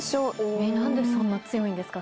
えっ何でそんな強いんですか？